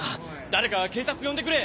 誰か警察呼んでくれ！